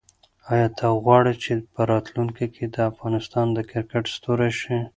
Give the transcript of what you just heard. آیا ته غواړې چې په راتلونکي کې د افغانستان د کرکټ ستوری شې؟